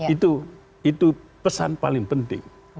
itu pesan paling penting